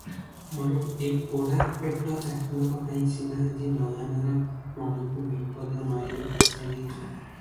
ମୋର ଏଇ ପୋଡ଼ା ପେଟ ଚାଖଣ୍ଡକ ପାଇଁ ସିନା ଆଜି ନୟନର ମଣିକୁ ବିପଦ ନଈରେ ଭସାଇ ଦେଇଚି!